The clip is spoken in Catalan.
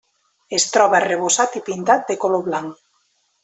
Es troba arrebossat i pintat de color blanc.